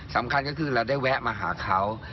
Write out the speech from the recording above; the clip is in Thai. สำคัญก็คือเราได้แวะมาหาเขา